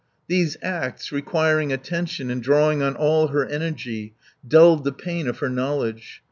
These acts, requiring attention and drawing on all her energy, dulled the pain of her knowledge.